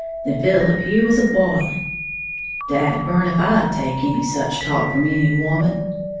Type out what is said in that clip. Then Philip he was b'iling (dad burn if I'd take any such talk from any woman!)